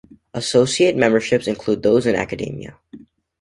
Associate memberships include those in academia.